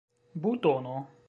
butono